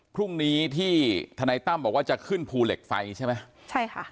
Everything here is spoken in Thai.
พรุ่งนี้ที่ทนายตั้มบอกว่าจะขึ้นภูเหล็กไฟใช่ไหมใช่ค่ะ